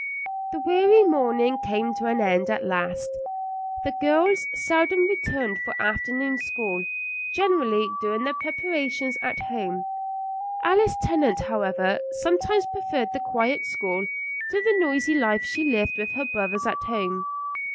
The weary morning came to an end at last. The girls seldom returned for afternoon school, generally doing their preparations at home. Alice Tennant, however, sometimes preferred the quiet school to the noisy life she lived with her brothers at home.